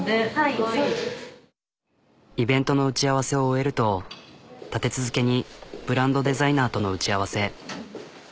イベントの打ち合わせを終えると立て続けにブランドデザイナーとの打ち合わせ。